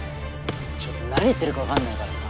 ちょっと何言ってるか分かんないからさ